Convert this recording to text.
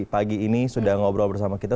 pagi ini sudah ngobrol bersama kita